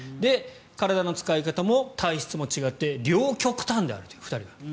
体の使い方も体質も違って両極端であると、２人が。